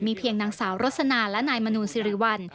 เพียงนางสาวรสนาและนายมนูลสิริวัล